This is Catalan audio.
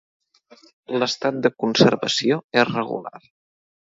L'estat de conservació és regular.